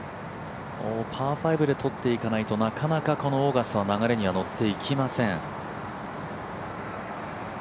パー５で取っていかないと、なかなかこのオーガスタは流れにのっていけません。